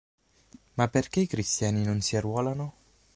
Ma perché i cristiani non si arruolano?